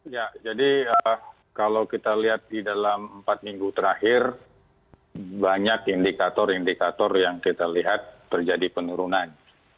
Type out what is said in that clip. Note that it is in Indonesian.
ya jadi kalau kita lihat di dalam empat minggu terakhir banyak indikator indikator yang kita lihat terjadi penurunan